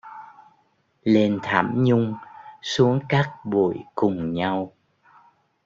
Lên thảm nhung, xuống cát bụi cùng nhau